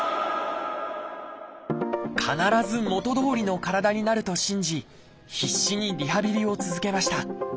必ず元どおりの体になると信じ必死にリハビリを続けました。